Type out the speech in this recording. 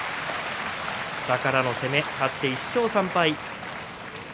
下からの攻め勝って１勝３敗。